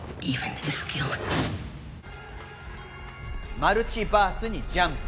マルチバースにジャンプ。